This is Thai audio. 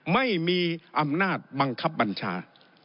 ไม่มีอำนาจบังคับบัญชา